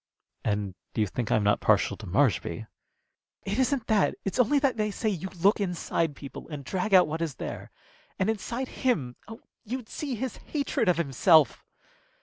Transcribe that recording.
"And you think I'm not partial to Marshby?" "It isn't that. It's only that they say you look inside people and drag out what is there. And inside him oh, you'd see his hatred of himself!"